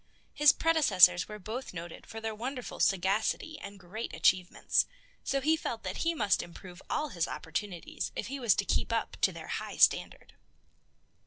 His predecessors were both noted for their wonderful sagacity and great achievements, so he felt that he must improve all his opportunities if he was to keep up to their high standard.